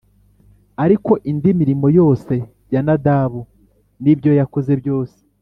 Ariko indi mirimo yose ya Nadabu n’ibyo yakoze byose